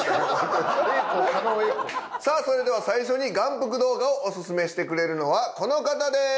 さぁそれでは眼福動画をオススメしてくれるのはこの方です。